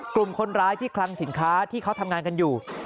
กลุ่มคนร้ายที่คลังสินค้าที่เขาทำงานกันอยู่